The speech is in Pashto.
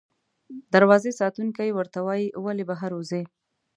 دروازې ساتونکی ورته وایي، ولې بهر وځې؟